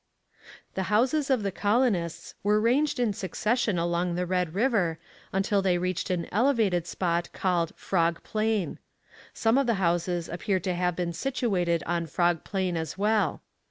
The houses of the colonists were ranged in succession along the Red River until they reached an elevated spot called Frog Plain. Some of the houses appear to have been situated on Frog Plain as well.